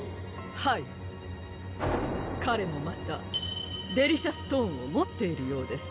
はい彼もまたデリシャストーンを持っているようです